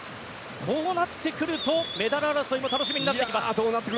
こうなってくるとメダル争いも楽しみになってきます。